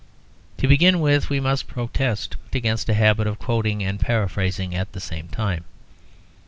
To begin with, we must protest against a habit of quoting and paraphrasing at the same time.